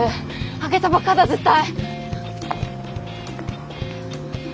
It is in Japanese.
あげたばっかだ絶対。